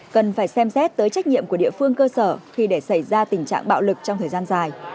cần phải xem xét tới trách nhiệm của địa phương cơ sở khi để xảy ra tình trạng bạo lực trong thời gian dài